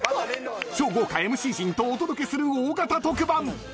超豪華ＭＣ陣とお届けする大型特番。